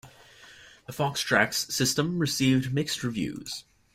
The FoxTrax system received mixed reviews.